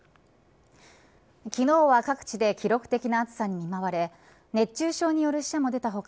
昨日は各地で記録的な暑さに見舞われ熱中症による死者も出た他